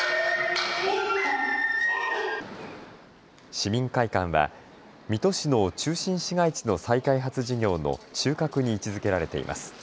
市民会館は水戸市の中心市街地の再開発事業の中核に位置づけられています。